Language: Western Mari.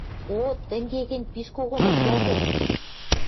– О, тӹнге гӹнь, пиш когонок яжош...